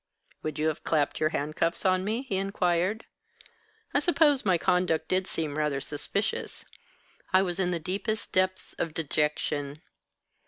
"Would you have clapped your handcuffs on me?" he inquired. "I suppose my conduct did seem rather suspicious. I was in the deepest depths of dejection.